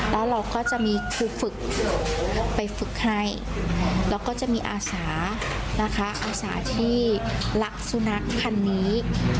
แล้วเราก็จะมีครูฝึกไปฝึกให้แล้วก็จะมีอาสานะคะอาสาที่รักสุนัขพันธ์นี้